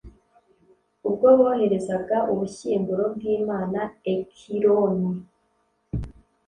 ubwo bohereza ubushyinguro bw'imana ekironi